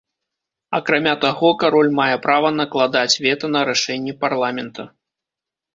Акрамя таго, кароль мае права накладаць вета на рашэнні парламента.